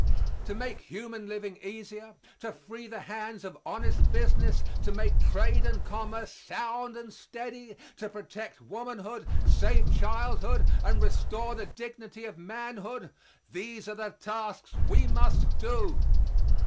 To make human living easier, to free the hands of honest business, to make trade and commerce sound and steady, to protect womanhood, save childhood and restore the dignity of manhood these are the tasks we must do.